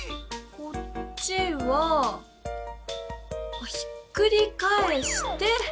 こっちはひっくりかえして。